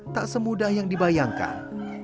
tak semudah yang dibayangkan